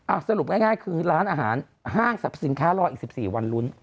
สรุปง่ายคือร้านอาหารห้างสรรพสินค้ารออีก๑๔วันลุ้น